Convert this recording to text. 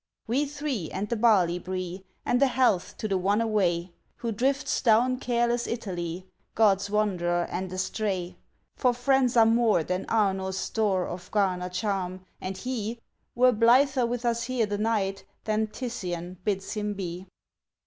We three and the barley bree! And a health to the one away, Who drifts down careless Italy, God's wanderer and estray! For friends are more than Arno's store Of garnered charm, and he Were blither with us here the night Than Titian bids him be.